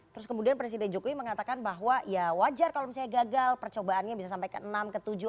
terus kemudian presiden jokowi mengatakan bahwa ya wajar kalau misalnya gagal percobaannya bisa sampai ke enam ke tujuh